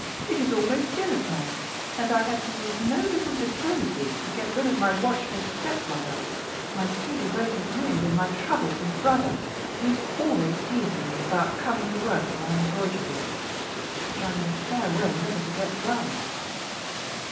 It is almost dinner time, and I had to use no little diplomacy to get rid of my watchful stepmother, my too devoted maid, and my troublesome brother, who is always teasing me about coming to work at my embroidery, which I am in a fair way never to get done.